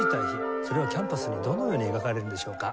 それをキャンバスにどのように描かれるんでしょうか？